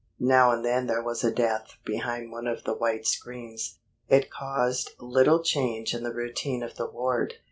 Now and then there was a death behind one of the white screens. It caused little change in the routine of the ward.